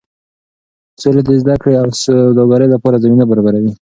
سوله د زده کړې او سوداګرۍ لپاره زمینه برابروي.